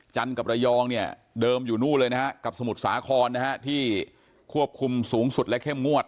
จันกับระยองเดิมอยู่นู่นเลยนะครับกับสมุดสาครที่ควบคุมสูงสุดและเข้มงวด